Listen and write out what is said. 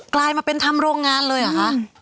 กลายมาเป็นทำโรงงานเลยเหรอคะ